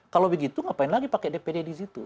kalau begitu ngapain lagi pakai dpd di situ